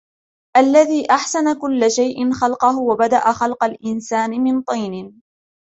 الذي أحسن كل شيء خلقه وبدأ خلق الإنسان من طين